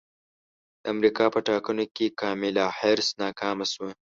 د امریکا په ټاکنو کې کاملا حارس ناکامه شوه